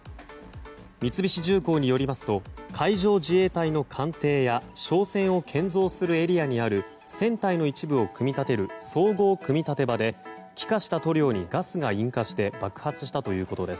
三菱重工によりますと海上自衛隊の艦艇や商船を建造するエリアにある船体の一部を組み立てる総合組立場で気化した塗料にガスが引火して爆発したということです。